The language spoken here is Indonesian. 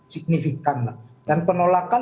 signifikan dan penolakan